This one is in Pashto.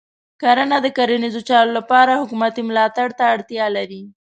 کرنه د کرنیزو چارو لپاره حکومتې ملاتړ ته اړتیا لري.